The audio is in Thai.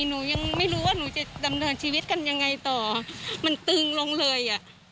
หนูยังไม่รู้ว่าหนูจะดำเนินชีวิตกันยังไงต่อมันตึงลงเลยอ่ะ